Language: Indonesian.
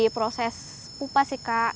proses pupa sih kak